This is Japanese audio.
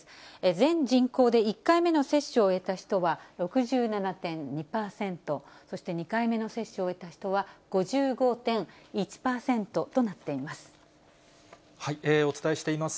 全人口で１回目の接種を終えた人は６７．２％、そして２回目の接種を終えた人は５５．１％となっています。